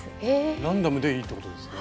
ランダムでいいってことですね。